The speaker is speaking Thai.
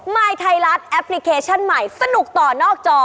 มายไทยรัฐแอปพลิเคชันใหม่สนุกต่อนอกจอ